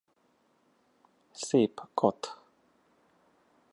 Szép kath.